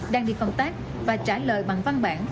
đang đi công tác và trả lời bằng văn bản